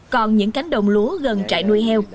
còn những cánh đồng lúa gần trại nuôi heo